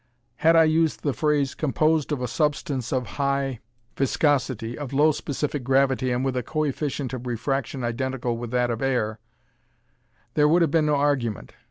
Had I used the phrase "composed of a SUBSTANCE of high viscosity, of low specific gravity and with a coefficient of refraction identical with that of air," there would have been no argument.